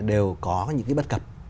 đều có những cái bất cập